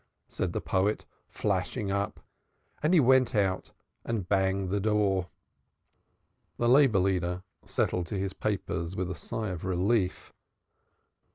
said the poet, flashing up, and he went out and banged the door. The labor leader settled to his papers with a sigh of relief.